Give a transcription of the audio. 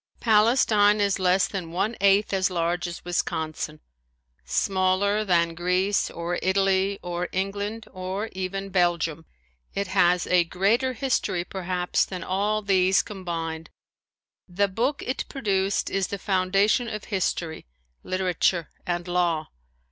Palestine is less than one eighth as large as Wisconsin. Smaller than Greece or Italy or England or even Belgium, it has a greater history perhaps than all these combined. The book it produced is the foundation of history, literature and law.